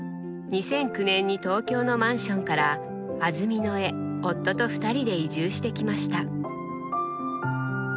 ２００９年に東京のマンションから安曇野へ夫と２人で移住してきました。